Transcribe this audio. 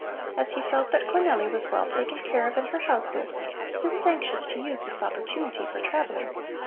As he felt that Cornelli was well taken care of in her household, he was anxious to use this opportunity for travelling.